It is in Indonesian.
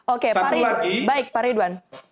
oke pak ridwan baik pak ridwan